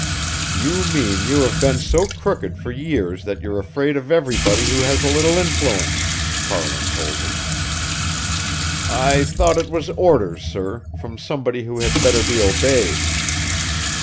"You mean you have been so crooked for years that you're afraid of everybody who has a little influence," Farland told him. "I thought it was orders, sir, from somebody who had better be obeyed."